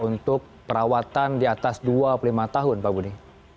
untuk perawatan di atas dua puluh lima tahun pak budi